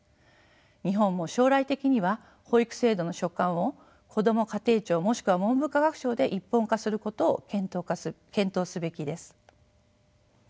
日本も将来的には保育制度の所管をこども家庭庁もしくは文部科学省で一本化することを検討すべきです。